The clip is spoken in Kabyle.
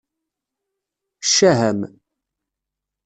Ccah-am!